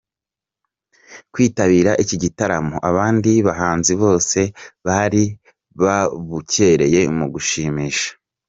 kwitabira iki gitaramo abandi bahanzi bose bari babucyereye mu gushimisha.